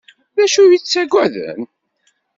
D acu ay ttaggaden?